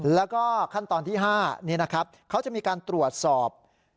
แล้วก็ขั้นตอนที่๕นี่นะครับเขาจะมีการตรวจสอบ